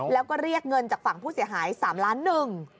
แล้วก็เรียกเงินจากฝั่งผู้เสียหาย๓ล้านหนึ่ง